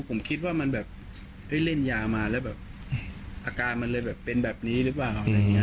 ผมคิดว่ามันเล่นยามาแล้วอาการมันเลยเป็นแบบนี้หรือเปล่า